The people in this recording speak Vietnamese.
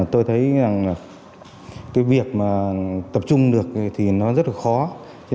tôi thấy việc tập trung được rất khó